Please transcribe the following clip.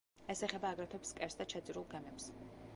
ეს ეხება აგრეთვე ფსკერს და ჩაძირულ გემებს.